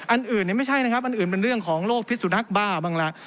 อันอื่นเนี่ยไม่ใช่นะครับอันอื่นเป็นเรื่องของโรคพิษสุนักบ้าบ้างละ